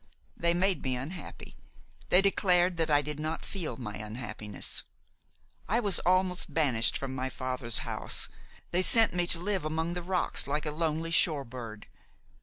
They made me unhappy, they declared that I did not feel my unhappiness; I was almost banished from my father's house; they sent me to live among the rocks like a lonely shore bird.